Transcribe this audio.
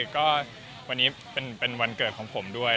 ก็วันนี้เป็นวันเกิดของผมด้วย